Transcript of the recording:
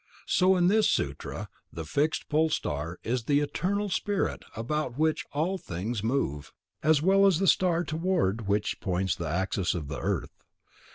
So in this Sutra the fixed polestar is the eternal spirit about which all things move, as well as the star toward which points the axis of the earth.